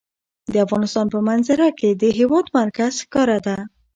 د افغانستان په منظره کې د هېواد مرکز ښکاره ده.